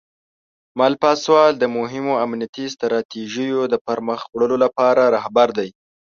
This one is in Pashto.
مل پاسوال د مهمو امنیتي ستراتیژیو د پرمخ وړلو لپاره رهبر دی.